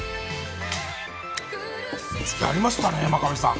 やりましたね真壁さん。